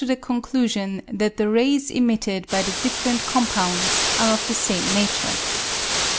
99 conclusion that the rays emitted by the different com pounds are of the same nature.